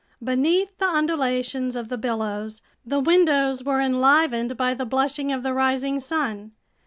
Beneath the undulations of the billows, the windows were enlivened by the blushing of the rising sun.